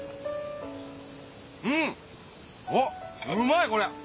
うんおっうまいこれ！